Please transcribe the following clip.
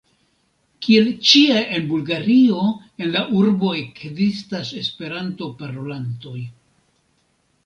Kiel ĉie en Bulgario en la urbo ekzistas Esperanto-parolantoj.